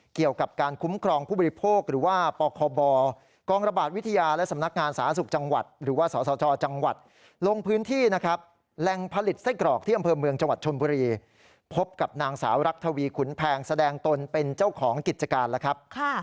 เกี่ยวกับการคุ้มครองผู้บริโภคหรือว่ากรบครบ